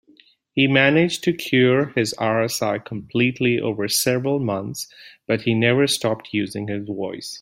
He managed to cure his RSI completely over several months, but he never stopped using his voice.